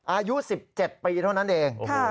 อายุ๑๗ปีเท่านั้นเอง